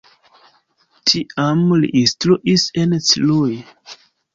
Tiam li instruis en Cluj.